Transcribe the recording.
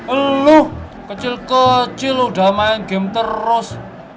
eluh kecil kecil udah main game terus